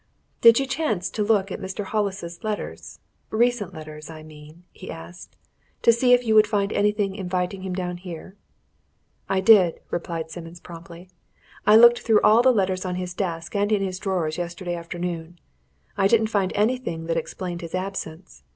"Did you chance to look at Mr. Hollis's letters recent letters, I mean " he asked, "to see if you would find anything inviting him down here?" "I did," replied Simmons promptly. "I looked through all the letters on his desk and in his drawers yesterday afternoon. I didn't find anything that explained his absence.